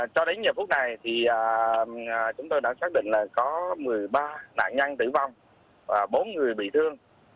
cho đến giờ phút này thì chúng tôi đã xác định là có một mươi ba nạn nhân tử vong và bốn người bị thương